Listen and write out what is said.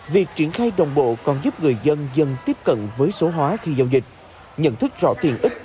việc triển khai đồng bộ còn giúp người dân dân tiếp cận với số hóa khi giao dịch nhận thức rõ tiền ích